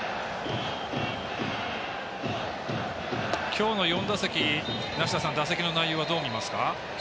今日の４打席、梨田さん打席の内容はどう見ますか？